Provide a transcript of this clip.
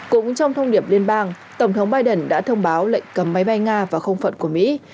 cũng trong thông điệp liên bang tổng thống biden đã thông báo lệnh cấm máy bay nga và không phận của mỹ